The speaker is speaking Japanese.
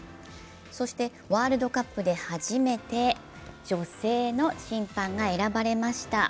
そして、ワールドカップで初めて女性の審判が選ばれました。